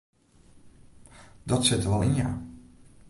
Dat sit der wol yn ja.